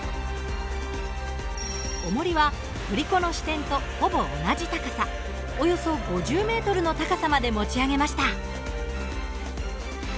おもりは振り子の支点とほぼ同じ高さおよそ５０ｍの高さまで持ち上げました。